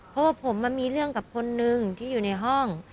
เพราะว่าผมมันมีเรื่องกับคนนึงที่อยู่ในห้อง